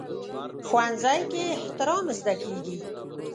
ښوونځی کې احترام زده کېږي